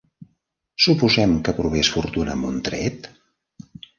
Suposem que provés fortuna amb un tret?